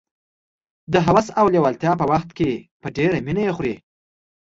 د هوس او لېوالتیا په وخت کې په ډېره مینه یې خوري.